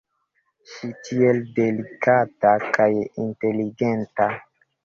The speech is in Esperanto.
Ŝi, tiel delikata kaj inteligenta.